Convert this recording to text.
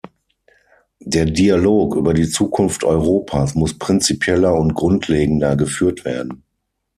Der Dialog über die Zukunft Europas muss prinzipieller und grundlegender geführt werden.